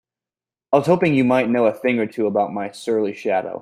I was hoping you might know a thing or two about my surly shadow?